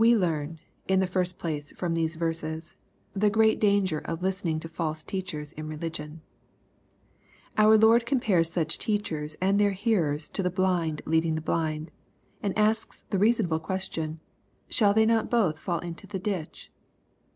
We learn, in the first place, from these verses, the great danger of listening to false teachers in religion. Our Lord compares such teachers and their hearers to the blind leading the blind, and asks the reasonable ques tion, "Shall they not both fall into the ditch